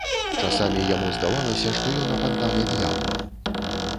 Часамі яму здавалася, што ён апантаны д'яблам.